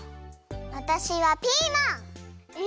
わたしはピーマン！え！？